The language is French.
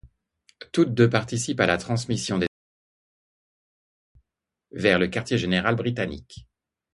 Toutes deux participent à la transmission des informations recueillies vers le quartier général britannique.